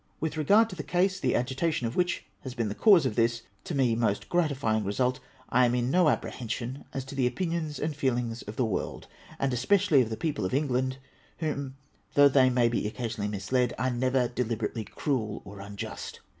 With regard to the case, the agitation of which has been the cauSe of this, to me, most gratifying result, I am in no apprehension as to the opinions and feelings of the world, and especially of the people of England, who, though they may be occasionally misled, are never deliberately cruel or unjust.